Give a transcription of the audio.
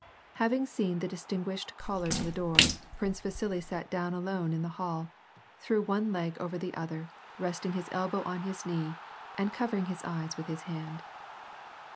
Having seen the distinguished caller to the door. Prince Va sili sat down alone in the hall, threw one leg over the other, resting his elbow on his knee and covering his eyes with his hand.